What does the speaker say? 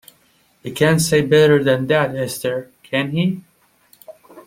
He can't say better than that, Esther, can he?